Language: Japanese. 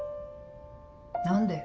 何で？